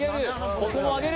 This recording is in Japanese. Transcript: ここも上げる。